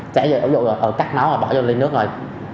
trả giấy ủng hộ rồi ừ cắt máu rồi bỏ vô ly nước rồi